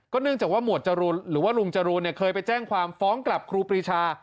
เนื่องจากว่าหมวดจรูนหรือว่าลุงจรูนเคยไปแจ้งความฟ้องกลับครูปรีชา